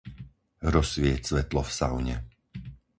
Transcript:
Rozsvieť svetlo v saune.